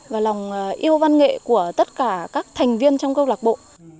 và lòng yêu văn nghệ của tất cả các thành viên trong câu lạc bộ